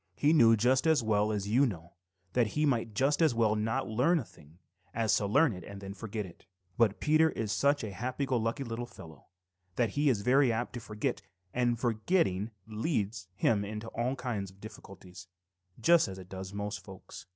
He knew just as well as you know that he might just as well not learn a thing as to learn it and then forget it. But Peter is such a happy go lucky little fellow that he is very apt to forget, and forgetting leads him into all kinds of difficulties, just as it does most folks.